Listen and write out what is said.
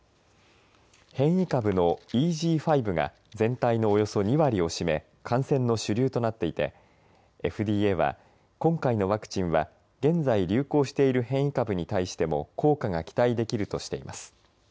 変異株のＥＧ．５が全体のおよそ２割を占め感染の主流となっていてＦＤＡは今回のワクチンは現在、流行している変異株に対しても効果が期待できるとしています。